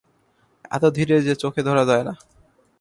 এত ধীরে যে চোখে ধরা যায় না।